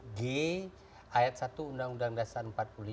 ada pasal dua puluh delapan huruf g ayat satu undang undang dasar empat puluh lima